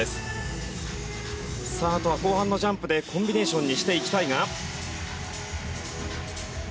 さああとは後半のジャンプでコンビネーションにしていきたいが。